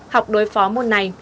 học đối phó môn này